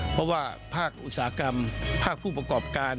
เพราะว่าภาคอุตสาหกรรมภาคผู้ประกอบการ